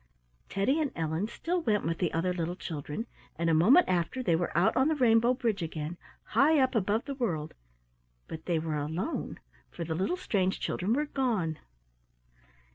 Teddy and Ellen still went with the other little children, and a moment after they were out on the rainbow bridge again, high up above the world, but they were alone, for the little strange children were gone.